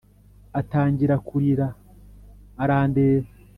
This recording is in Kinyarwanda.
atangira kurira 'arandeba